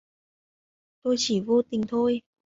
Tôi chỉ vô tình thôi